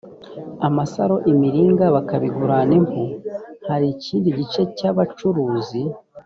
amasaro imiringa bakabigurana impu hari ikindi gice cy abacuruzi